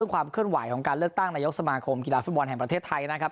ความเคลื่อนไหวของการเลือกตั้งนายกสมาคมกีฬาฟุตบอลแห่งประเทศไทยนะครับ